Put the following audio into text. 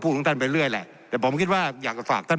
ของท่านไปเรื่อยแหละแต่ผมคิดว่าอยากจะฝากท่าน